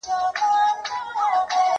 کتاب واخله؟